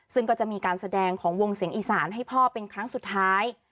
ซึ่งก็จะมีการแสดงของวงเสียงอีสานให้พ่อเป็นครั้งสุดท้าย